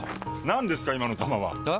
何ですか今の球は！え？